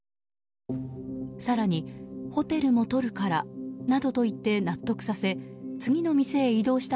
更にホテルもとるからなどと言って納得させ次の店へ移動した